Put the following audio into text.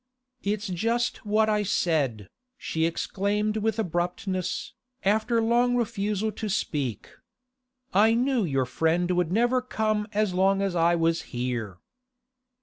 'It's just what I said,' she exclaimed with abruptness, after long refusal to speak. 'I knew your friend would never come as long as I was here.